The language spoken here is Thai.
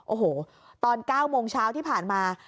โอ้โหตอน๙โมงเช้าที่ผ่านมา